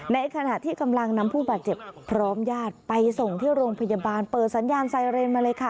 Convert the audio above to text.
ในขณะที่กำลังนำผู้บาดเจ็บพร้อมญาติไปส่งที่โรงพยาบาลเปิดสัญญาณไซเรนมาเลยค่ะ